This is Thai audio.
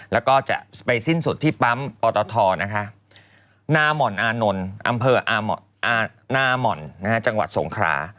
แล้วก็จะไปสิ้นสุดที่ปั๊มปอตทนาม่อนอานนท์อำเภอนาม่อนจังหวัดสงครา